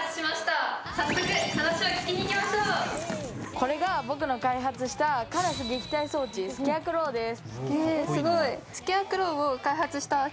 これが僕の開発したからす撃退装置、スケアクロウです。